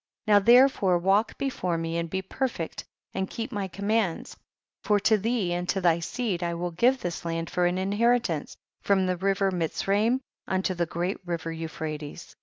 18. Now therefore walk before me and be perfect and keep my com mands, for to thee and to thy seed I will give this land for an inheritance, from the river Mitzraim unto the great river Euphrates.